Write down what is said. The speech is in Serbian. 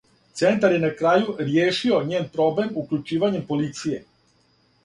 Центар је на крају ријешио њен проблем укључивањем полиције.